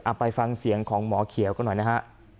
ไปฟังเสียงของหมอเขียวกันหน่อยนะฮะ